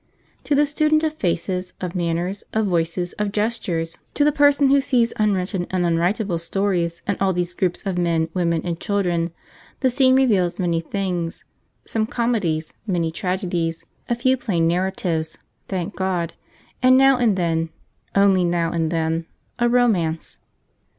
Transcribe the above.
To the student of faces, of manners, of voices, of gestures; to the person who sees unwritten and unwritable stories in all these groups of men, women, and children, the scene reveals many things: some comedies, many tragedies, a few plain narratives (thank God!) and now and then only now and then a romance.